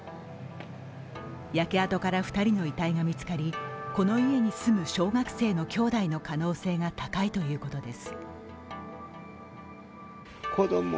焼け跡から２人の遺体が見つかりこの家に住む小学生の兄弟の可能性が高いということです。